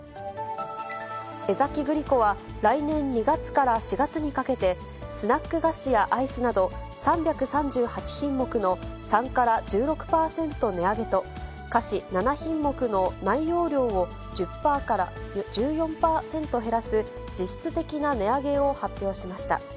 江崎グリコは来年２月から４月にかけて、スナック菓子やアイスなど、３３８品目の３から１６％値上げと、菓子７品目の内容量を１０パーから１４％減らす実質的な値上げを発表しました。